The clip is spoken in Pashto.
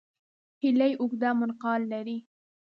هیلۍ اوږده منقار لري